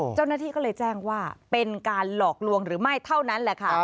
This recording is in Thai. เจ้าหน้าที่ก็เลยแจ้งว่าเป็นการหลอกลวงหรือไม่เท่านั้นแหละค่ะ